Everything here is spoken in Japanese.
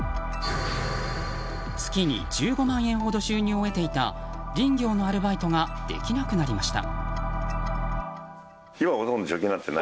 月に１５万円ほど収入を得ていた林業のアルバイトができなくなりました。